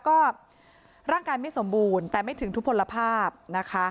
ก็ร่างกายไม่สมบูรณ์แต่ไม่ถึงทุกผลภาพนะคะ